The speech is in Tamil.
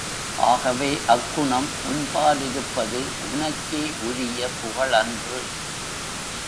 ஆகவே அக்குணம் உன்பாலிருப்பது உனக்கே உரிய புகழன்று.